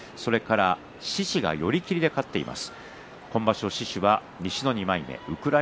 獅司、寄り切りで勝っています。